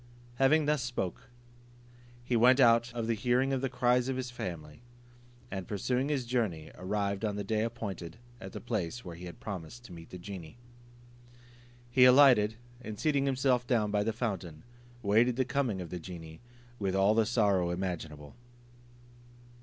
Having thus spoken, he went out of the hearing of the cries of his family; and pursuing his journey, arrived on the day appointed at the place where he had promised to meet the genie. He alighted, and seating himself down by the fountain, waited the coming of the genie, with all the sorrow imaginable.